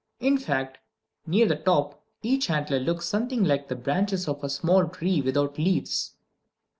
In fact, near the top each antler looks something like the branches of a small tree without leaves.